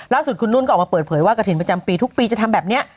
ล่าสุดคุณนุ่นก็ออกมาเปิดเผยว่ากระถิ่นประจำปีทุกปีจะทำแบบนี้